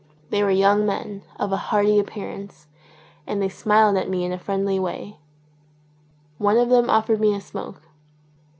They were young men, of a hearty appearance, and they smiled at me in a friendly way. One of them offered me a smoke.